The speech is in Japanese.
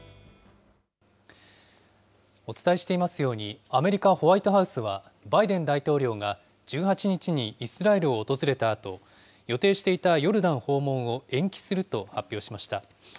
お伝えしていますように、アメリカ、ホワイトハウスはバイデン大統領が１８日にイスラエルを訪れたあと、予定していたヨルダン訪問を延期すると発表しました。